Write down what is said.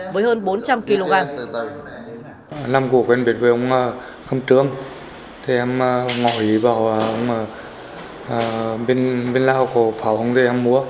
thì em ngồi vào bên lao cổ pháo không thì em mua